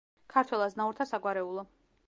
ქართველ აზნაურთა საგვარეულო.